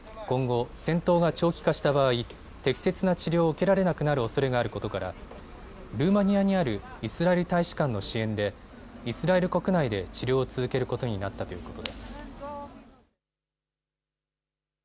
今後、戦闘が長期化した場合、適切な治療を受けられなくなるおそれがあることからルーマニアにあるイスラエル大使館の支援でイスラエル国内で治療を続けることになったということです。